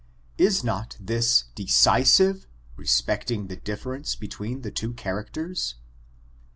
Is not this decisive respecting the difierence between the two characters?